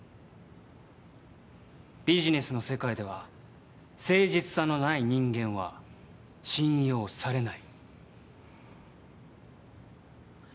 ビジネスの世界では誠実さのない人間は信用されない。